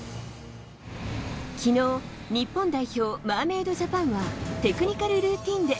昨日、日本代表・マーメイドジャパンはテクニカルルーティンで。